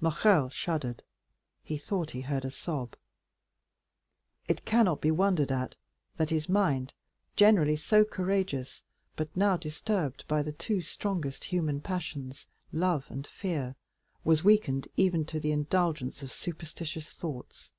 Morrel shuddered; he thought he heard a sob. It cannot be wondered at that his mind, generally so courageous, but now disturbed by the two strongest human passions, love and fear, was weakened even to the indulgence of superstitious thoughts.